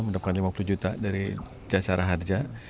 mendapatkan lima puluh juta dari jasara harja